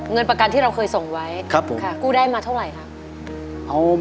เงินประกันที่เราเคยส่งไว้กู้ได้มาเท่าไหร่ครับ